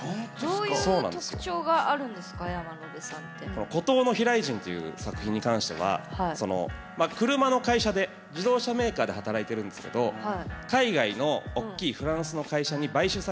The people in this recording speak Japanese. この「孤島の飛来人」という作品に関しては車の会社で自動車メーカーで働いてるんですけど海外の大きいフランスの会社に買収されちゃうと自分の会社が。